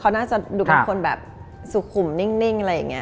เขาน่าจะดูเป็นคนแบบสุขุมนิ่งอะไรอย่างนี้